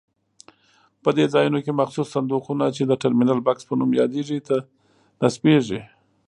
په دې ځایونو کې مخصوص صندوقونه چې د ټرمینل بکس په نوم یادېږي نصبېږي.